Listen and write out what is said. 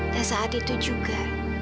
dan saat itu juga